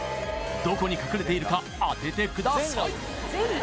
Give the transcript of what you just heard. どこに隠れているか当ててください